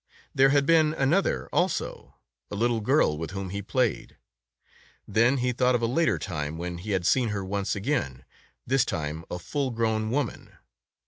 There had been another, also, a little girl with whom he played. Then he thought of a later time, when he had seen her once again — this time a full grown woman.